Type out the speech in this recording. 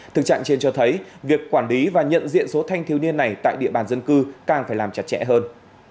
thực trạng trên cho thấy việc quản lý và nhận diện số thanh thiếu niên này tại địa bàn dân cư càng phải làm chặt chẽ hơn